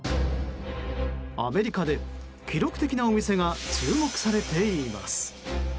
アメリカで、記録的なお店が注目されています。